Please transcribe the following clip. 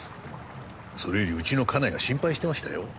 それよりうちの家内が心配してましたよ。